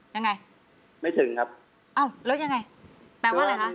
ยังไงไม่ถึงครับอ้าวแล้วยังไงแปลว่าอะไรคะ